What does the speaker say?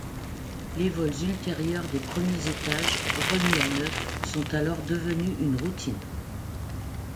Les vols ultérieurs des premiers étages remis à neuf sont alors devenus une routine.